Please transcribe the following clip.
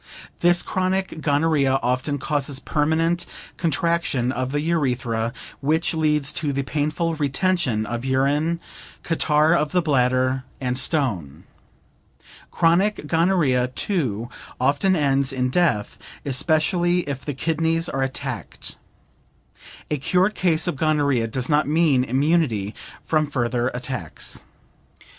This chronic gonorrhea often causes permanent contraction of the urethra, which leads to the painful retention of urine, catarrh of the bladder, and stone. Chronic gonorrhea, too, often ends in death, especially if the kidneys are attacked. A cured case of gonorrhea does not mean immunity from further attacks.